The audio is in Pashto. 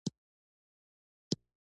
سیاستوال کله کله ښکرور دروغ وايي.